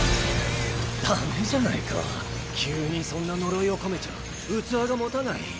ダメじゃないか急にそんな呪いを込めちゃ器がもたない。